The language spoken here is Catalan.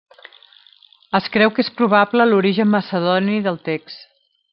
Es creu que és probable l'origen macedoni del text.